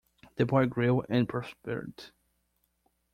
The boy grew and prospered.